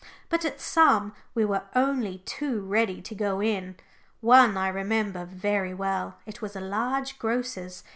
But at some we were only too ready to go in. One I remember very well. It was a large grocer's.